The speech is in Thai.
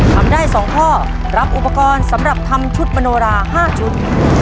ทำได้๒ข้อรับอุปกรณ์สำหรับทำชุดมโนรา๕ชุด